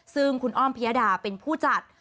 ซึ่งคุณอ้อมพิยดาเป็นผู้จัด